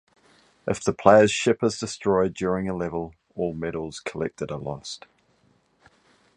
If the player's ship is destroyed during a level, all medals collected are lost.